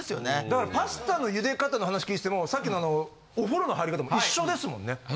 だからパスタの茹で方の話聞いててもさっきのあのお風呂の入り方も一緒ですもんね。